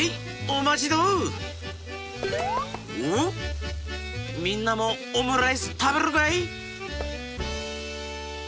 おみんなもオムライスたべるかい？